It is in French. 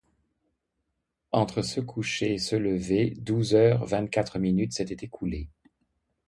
Entre ce coucher et ce lever, douze heures vingt-quatre minutes s’étaient écoulées.